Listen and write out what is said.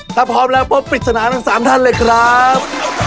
ถ้าพร้อมแล้วพบปริศนาทั้ง๓ท่านเลยครับ